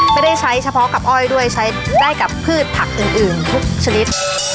ไม่ได้ใช้เฉพาะกับอ้อยด้วยใช้ได้กับพืชผักอื่นทุกชนิด